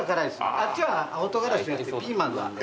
あっちは青唐辛子じゃなくてピーマンなんで。